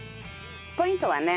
ポイントはね